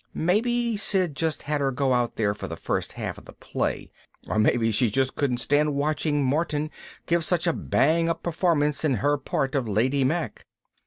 Maybe Sid just had her out there for the first half of the play. Or maybe she just couldn't stand watching Martin give such a bang up performance in her part of Lady Mack.